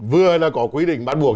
vừa là có quy định bắt buộc